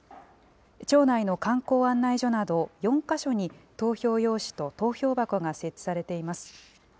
町内の観光案内所など４か所に投票用紙と投票箱が設置されています。